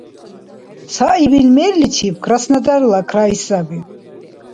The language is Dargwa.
Цаибил мерличиб Краснодарла край саби.